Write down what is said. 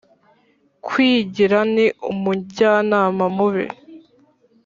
kwigira ni umujyanama mubi.